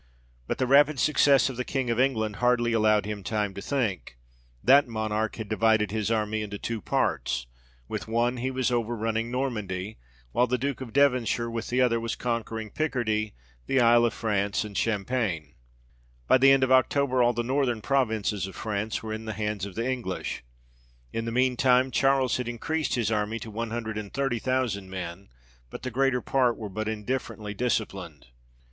But the rapid success of the King of England, hardly allowed him time to think : that Monarch had divided his army into two parts ; with one he was over running Normandy, while the Duke of Devonshire with the other was conquering Picardie, the Isle of France, and Champagne ; by the end of October all the northern provinces of France were in the hands of the English. In the mean time, Charles had increased his army to one hundred and thirty thousand men, but the greater part were but indifferently disciplined.